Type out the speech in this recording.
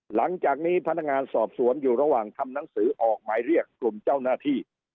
หลังจากนี้พนักงานสอบสวนอยู่ระหว่างทำหนังสือออกหมายเรียกกลุ่มเจ้าหน้าที่